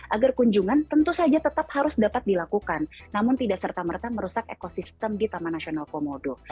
agar kunjungan tentu saja tetap harus dapat dilakukan namun tidak serta merta merusak ekosistem di taman nasional komodo